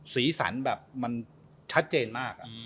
สีสันแบบมันชัดเจนมาก